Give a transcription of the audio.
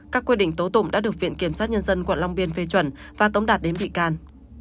các quyết định tố tụng đã được viện kiểm sát nhân dân quận long biên phê chuẩn và tống đạt đến bị can